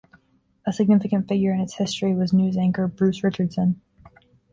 A significant figure in its history was news anchor Bruce Richardson.